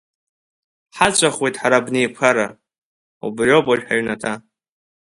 Ҳаҵәахуеит ҳара абнеиқәара, убриоуп уажә ҳаҩнаҭа.